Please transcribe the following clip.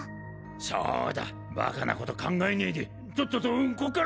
そうだバカなこと考えねえでとっととこっから。